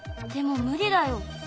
でも無理だよ。